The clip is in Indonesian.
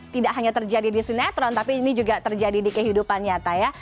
tidak hanya terjadi di sinetron tapi ini juga terjadi di kehidupan nyata ya